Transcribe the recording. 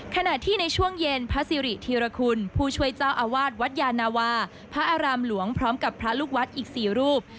ขณะที่ในช่วงเย็นพระสิริธีรคุณผู้ช่วยเจ้าอาวาสวัดยานาวาพระอารามหลวงพร้อมกับพระลูกวัดอีก๔รูป